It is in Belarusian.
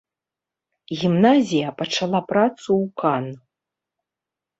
Гімназія пачала працу ў кан.